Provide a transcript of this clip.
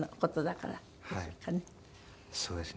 そうですね。